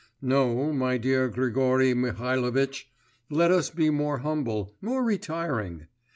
No, my dear Grigory Mihalovitch, let us be more humble, more retiring.